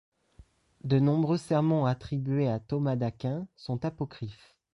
De nombreux sermons attribués à Thomas d'Aquin sont apocryphes.